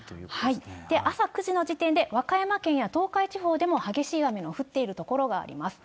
朝９時の時点で、和歌山県や東海地方でも激しい雨が降っている所があります。